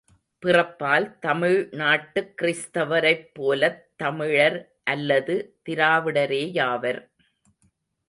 பிறப்பால் தமிழ்நாட்டுக் கிறிஸ்த வரைப்போலத் தமிழர் அல்லது திராவிடரேயாவர்.